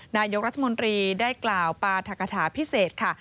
นายกรัฐมนตรีได้กล่าวปราธกฐาพิเศษค่ะ